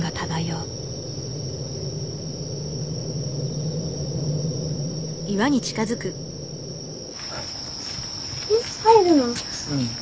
うん。